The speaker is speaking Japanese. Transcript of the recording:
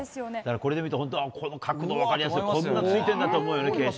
これで見ると本当、この角度分かりやすい、こんなついてんだと思うよね、傾斜。